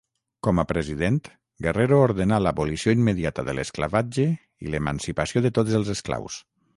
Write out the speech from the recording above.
Com a president, Guerrero ordenà l'abolició immediata de l'esclavatge i l'emancipació de tots els esclaus.